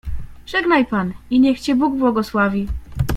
"Żegnaj pan i niech cię Bóg błogosławi."